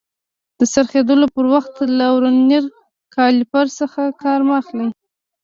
د څرخېدلو پر وخت له ورنیر کالیپر څخه کار مه اخلئ.